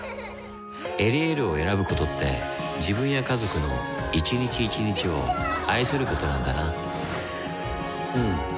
「エリエール」を選ぶことって自分や家族の一日一日を愛することなんだなうん。